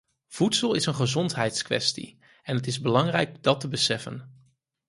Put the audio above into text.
Voedsel is een gezondheidskwestie en het is belangrijk dat te beseffen.